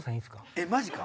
えっマジか。